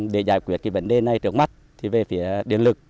để giải quyết vấn đề này trước mắt về phía điện lực